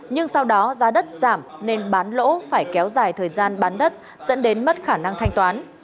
nhưng sau đó giá đất giảm nên bán lỗ phải kéo dài thời gian bán đất dẫn đến mất khả năng thanh toán